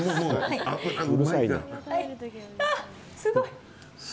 すごい。